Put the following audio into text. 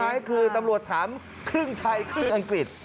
ไหมคือตำรวจถามครึ่งไทยครึ่งอังกฤษ